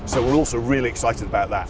jadi kami juga sangat teruja dengan itu